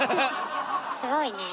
すごいね。